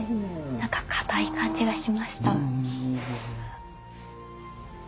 何か固い感じがしました。